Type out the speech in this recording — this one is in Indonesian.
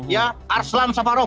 ya arslan saparov